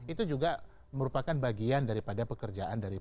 itu juga merupakan bagian daripada pekerjaan dan lain sebagainya